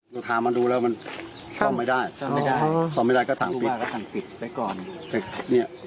ลุทามาดูแล้วมันซ่อมไม่ได้